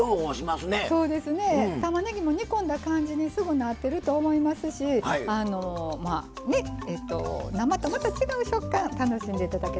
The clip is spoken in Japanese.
たまねぎも煮込んだ感じにすぐなってると思いますし生とまた違う食感楽しんで頂けたらと思います。